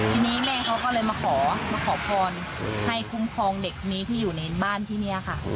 ทีนี้แม่เขาก็เลยมาขอมาขอพรให้คุ้มครองเด็กนี้ที่อยู่ในบ้านที่นี่ค่ะ